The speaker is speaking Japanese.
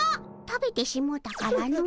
食べてしもうたからの。